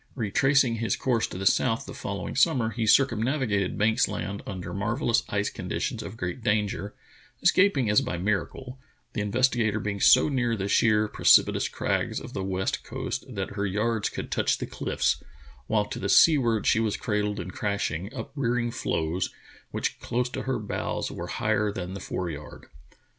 Retracing his course to the south the following summer, he circumnavigated Banks Land under marvellous ice conditions of great danger, escaping as by miracle, the Investigator be ing so near the sheer, precipitous crags of the west coast that her yards could touch the cliffs, while to the seaward she was cradled in crashing, uprearing floes which close to her bows were higher than the foreyard.